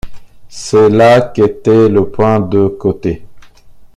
C’est là qu’était le point de côté.